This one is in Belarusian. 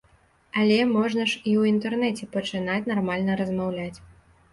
Але можна ж і ў інтэрнэце пачынаць нармальна размаўляць.